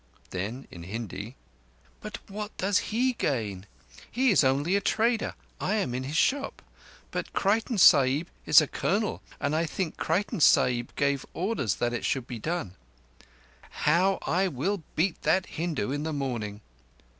Then in Hindi: "But what does he gain? He is only a trader—I am in his shop. But Creighton Sahib is a Colonel—and I think Creighton Sahib gave orders that it should be done. How I will beat that Hindu in the morning!